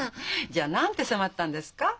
じゃあ何て迫ったんですか？